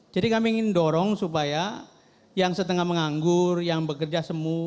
jadi kami ingin dorong supaya yang setengah menganggur yang bekerja semu